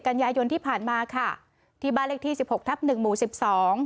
กันยายนที่ผ่านมาค่ะที่บ้านเลขที่สิบหกทับหนึ่งหมู่สิบสอง